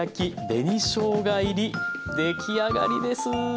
出来上がりです。